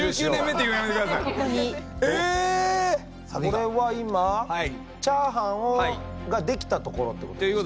これは今チャーハンができたところってことですかね。